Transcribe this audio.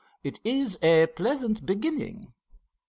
It is a pleasant beginning.